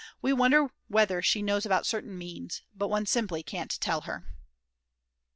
We wonder whether she knows about certain means, but one simply can't tell her.